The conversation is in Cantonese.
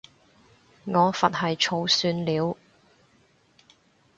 我佛系儲算了